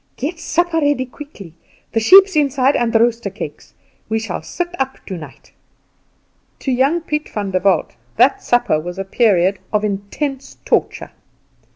Get supper ready quickly; the sheep's inside and roaster cakes. We shall sit up tonight." To young Piet Vander Walt that supper was a period of intense torture.